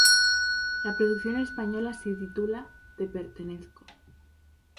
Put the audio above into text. La producción española se titula "Te pertenezco".